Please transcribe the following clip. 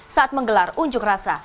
saat menggelar unjuk rasa